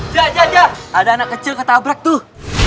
jah jah jah ada anak kecil ketabrak tuh